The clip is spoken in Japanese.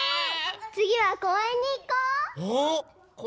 つぎはこうえんにいこう！